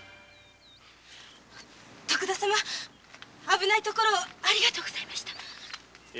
危ういところをありがとうございました。